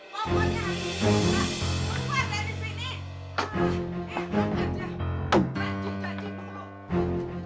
buang semuanya nek